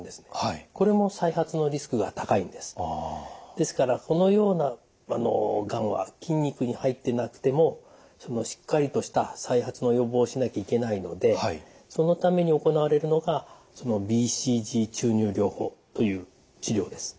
ですからこのようながんは筋肉に入ってなくてもしっかりとした再発の予防をしなきゃいけないのでそのために行われるのがＢＣＧ注入療法という治療です。